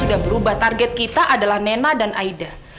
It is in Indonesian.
sudah berubah target kita adalah nema dan aida